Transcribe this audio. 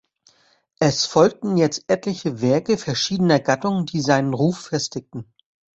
Es folgten jetzt etliche Werke verschiedener Gattungen, die seinen Ruf festigten.